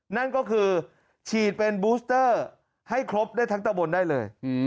นั่นก็คือฉีดเป็นบูสเตอร์ให้ครบได้ทั้งตะบนได้เลย